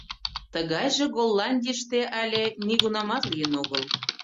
Тыгайже Голландийыште але нигунамат лийын огыл.